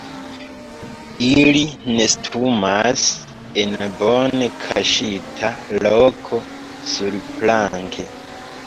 Ili nestumas en bone kaŝita loko surplanke.